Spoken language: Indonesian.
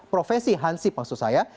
provinsi hansip maksud saya